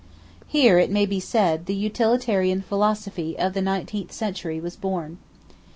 Here, it may be said, the Utilitarian philosophy of the nineteenth century was born.